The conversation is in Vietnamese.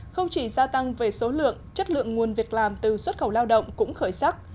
không chỉ gia tăng về số lượng chất lượng nguồn việc làm từ xuất khẩu lao động cũng khởi sắc